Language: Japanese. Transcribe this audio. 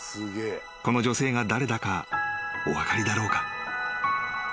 この女性が誰だかお分かりだろうか？］